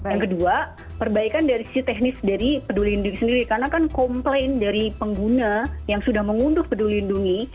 yang kedua perbaikan dari sisi teknis dari peduli lindungi sendiri karena kan komplain dari pengguna yang sudah mengunduh peduli lindungi